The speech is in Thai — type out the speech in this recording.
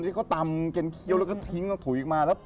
ที่เขาตำเกร็นเคี้ยวแล้วก็ทิ้งถุยออกมา